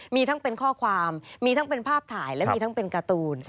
มีทั้งเป็นข้อความมีทั้งเป็นภาพถ่ายและมีทั้งเป็นการ์ตูน